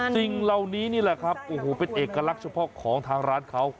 สิ่งเหล่านี้นี่แหละครับโอ้โหเป็นเอกลักษณ์เฉพาะของทางร้านเขา